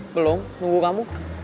belum nunggu kamu